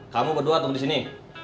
kamu berdua tuh di sini